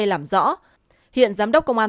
làm rõ hiện giám đốc công an